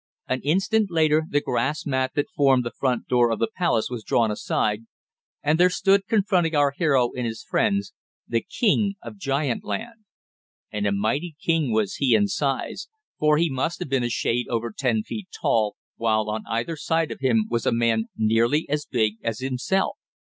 An instant later the grass mat that formed the front door of the "palace" was drawn aside, and there stood confronting our hero and his friends, the King of Giant Land. And a mighty king was he in size, for he must have been a shade over ten feet tall, while on either side of him was a man nearly as big as himself.